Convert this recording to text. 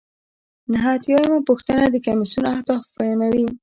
نهه اتیا یمه پوښتنه د کمیسیون اهداف بیانوي.